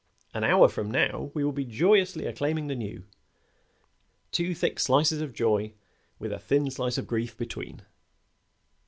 An hour from now we will be joyously acclaiming the new. Two thick slices of joy with a thin slice of grief between."